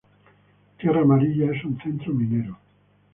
Tierra Amarilla es un centro minero.